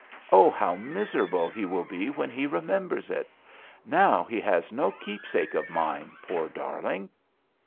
Oh, how miserable he will be when he remembers it ! Now he has no keepsake of mine, poor darling